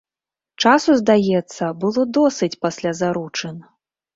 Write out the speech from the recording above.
Часу, здаецца, было досыць пасля заручын?